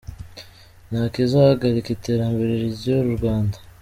Nta kizahagarika iterambere ry’u Rwanda